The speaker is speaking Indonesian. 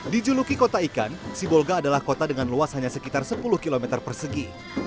dijuluki kota ikan sibolga adalah kota dengan luas hanya sekitar sepuluh km persegi